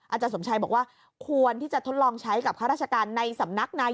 อาจารย์สมชัยบอกว่าควรที่จะทดลองใช้กับข้าราชการในสำนักนายก